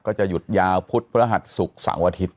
ก็จะหยุดยาวพุธพระหัตน์ศุกร์๓วันอาทิตย์